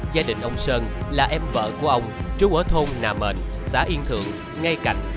gia đình ông sơn là em vợ của ông trú ở thôn nà mền xã yên thượng ngay cạnh